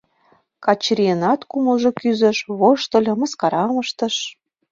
Качырийынат кумылжо кӱзыш, воштыльо, мыскарам ыштыш.